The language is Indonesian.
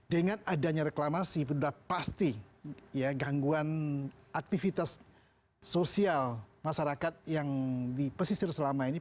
dan adanya reklamasi sudah pasti ya gangguan aktivitas sosial masyarakat yang di pesisir selama ini